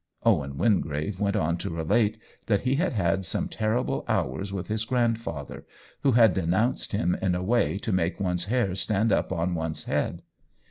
Owen Wingrave went on to relate that he had had some terrible hours with his grandfather, who had de nounced him in a way to make one's hair stand up on one's head.